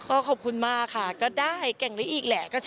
ก็ขอบคุณมากค่ะก็ได้แก่งนี้อีกแหละ